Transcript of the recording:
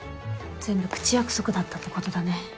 全部口約束だったってことだね。